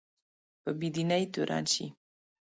په بې دینۍ تورن شي